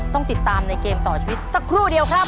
ต้องติดตามในเกมต่อชีวิตสักครู่เดียวครับ